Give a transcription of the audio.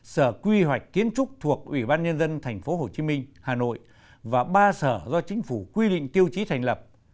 sở quy hoạch kiến trúc thuộc ủy ban nhân dân tp hcm hà nội và ba sở do chính phủ quy định tiêu chí thành lập